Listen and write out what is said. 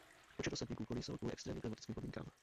Počet osadníků kolísal kvůli extrémním klimatickým podmínkám.